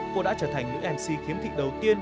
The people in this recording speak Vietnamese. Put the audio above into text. cô đã trở thành nữ mc khiếm thị đầu tiên